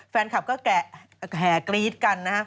แฟนคลับก็แกะแห่กรี๊ดกันนะฮะ